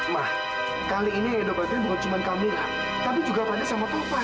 ma kali ini edo batin bukan cuma kamila tapi juga pada sama tovan